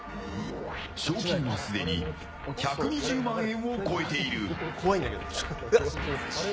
賞金は、すでに１２０万円を超えている。